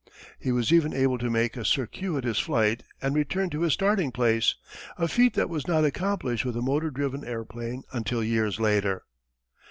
He was even able to make a circuitous flight and return to his starting place a feat that was not accomplished with a motor driven airplane until years later.